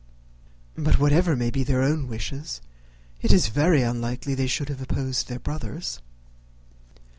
But, whatever may be their own wishes, it is very unlikely they should have opposed their brother's.